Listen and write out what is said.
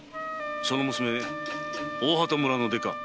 その娘大畑村の出か？